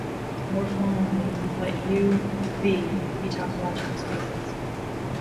More formally, let "U", "V" be topological spaces.